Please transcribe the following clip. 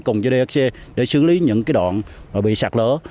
cùng với dhc để xử lý những cái đoạn bị sạc lỡ